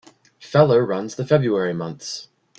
Feller runs the February months.